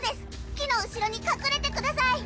木の後ろに隠れてください。